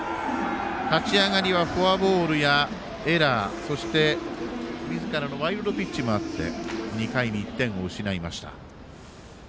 立ち上がりはフォアボールやエラーそして、みずからのワイルドピッチもあって２回に１点を失いました。